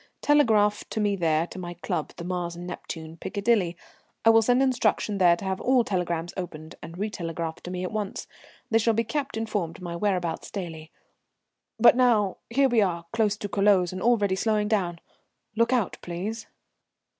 Telegraph to me there to my club, the Mars and Neptune, Piccadilly. I will send instructions there to have all telegrams opened and retelegraphed to me at once. They shall be kept informed of my whereabouts daily. But now, here we are, close to Culoz and already slowing down. Look out, please."